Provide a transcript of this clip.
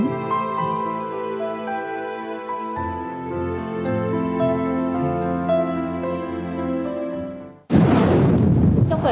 trong phần tiếp theo